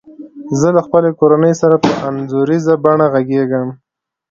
زه له خپلي کورنۍ سره په انځوریزه بڼه غږیږم.